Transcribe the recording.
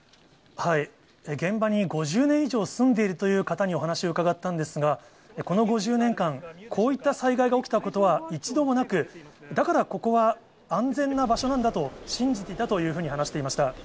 現場に５０年以上住んでいるという方にお話を伺ったんですが、この５０年間、こういった災害が起きたことは一度もなく、だからここは安全な場所なんだと信じていたというふうに話していました。